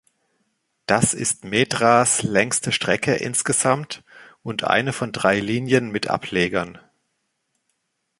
Das ist Metras längste Strecke insgesamt und eine von drei Linien mit Ablegern.